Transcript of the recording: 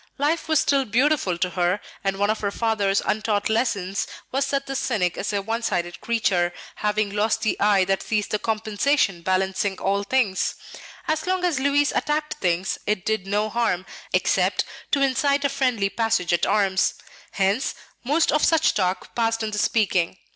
Life was still beautiful for her; and one of her father's untaught lessons was that the cynic is a one sided creature, having lost the eye that sees the compensation balancing all things. As long as Louis attacked things, it did no harm, except to incite a friendly passage at arms; hence, most of such talk passed in the speaking.